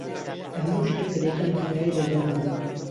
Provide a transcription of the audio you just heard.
لە هەموو شتێک کە دەیکەم بەخێرایی بێزار دەبم.